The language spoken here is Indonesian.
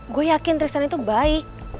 gue yakin trison itu baik